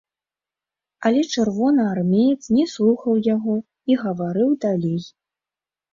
Але чырвонаармеец не слухаў яго і гаварыў далей.